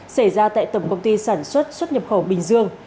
xảy ra tại tổng công ty sản xuất xuất nhập khẩu bình dương